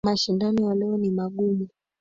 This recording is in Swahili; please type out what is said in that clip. Mashindano ya leo ni magumu.